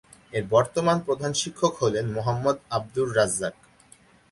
এর বর্তমান প্রধান শিক্ষক হলেন মোহাম্মদ আব্দুর রাজ্জাক।